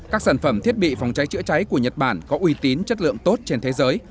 các sản phẩm thiết bị phòng cháy chữa cháy của nhật bản có uy tín chất lượng tốt trên thế giới